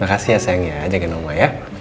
makasih ya sayang ya jagain rumah ya